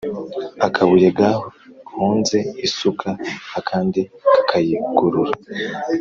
Akabuye gahonze isuka akandi kakayigorora.